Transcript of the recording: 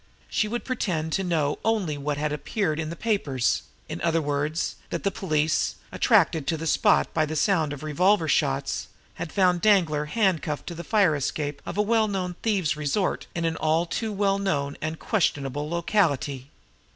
She would pretend to know only what had appeared in the papers; in other words, that the police, attracted to the spot by the sound of revolver shots, had found Danglar handcuffed to the fire escape of a well known thieves' resort in an all too well known and questionable locality.